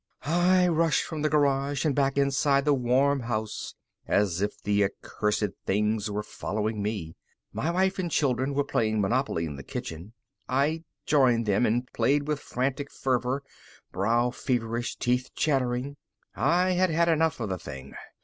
_ I rushed from the garage and back inside the warm house, as if the accursed things were following me. My wife and children were playing Monopoly in the kitchen. I joined them and played with frantic fervor, brow feverish, teeth chattering. I had had enough of the thing.